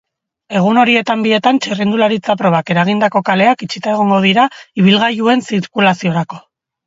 Egun horietan bietan txirrindularitza probak eragindako kaleak itxita egongo dira ibilgailuen zirkulaziorako.